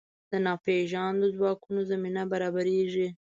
د ناپېژاندو ځواکونو زمینه برابرېږي.